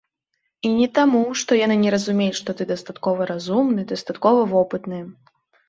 І не таму, што яны не разумеюць, што ты дастаткова разумны, дастаткова вопытны.